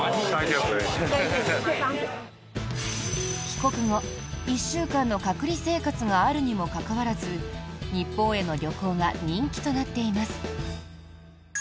帰国後、１週間の隔離生活があるにもかかわらず日本への旅行が人気となっています。